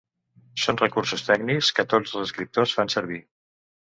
Són recursos tècnics que tots els escriptors fan servir.